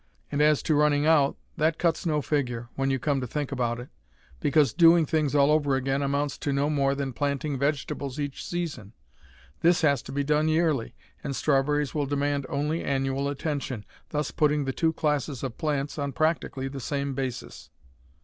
And as to "running out," that cuts no figure, when you come to think about it, because "doing things all over again" amounts to no more than planting vegetables each season. This has to be done yearly, and strawberries will demand only annual attention, thus putting the two classes of plants on practically the same basis.